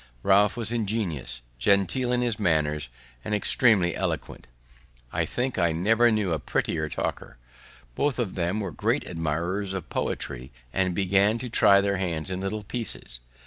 Ralph was ingenious, genteel in his manners, and extremely eloquent; I think I never knew a prettier talker. Both of them were great admirers of poetry, and began to try their hands in little pieces.